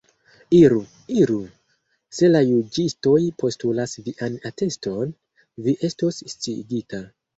Iru, iru; se la juĝistoj postulas vian ateston, vi estos sciigita.